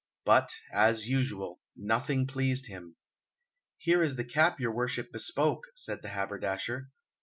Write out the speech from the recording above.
But, as usual, nothing pleased him. "Here is the cap your worship bespoke," said the haberdasher.